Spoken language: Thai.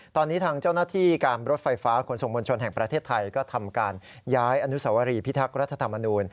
ตอนนี้ทางเจ้าหน้าที่การรถไฟฟ้าขนส่งมวลชนแห่งประเทศไทยก็ทำการย้ายอนุสวรีพิทักษ์รัฐธรรมนูล